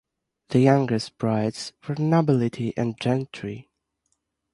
The youngest brides were nobility and gentry.